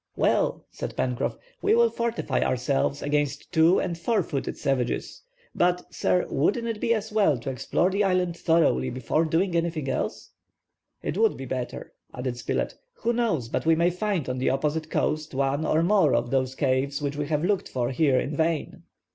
"Well," said Pencroff, "we will fortify ourselves against two and four footed savages. But, sir, wouldn't it be as well to explore the island thoroughly before doing anything else?" "It would be better," added Spilett; "who knows but we may find on the opposite coast one or more of those caves which we have looked for here in vain."